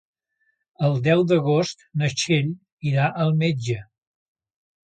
El deu d'agost na Txell irà al metge.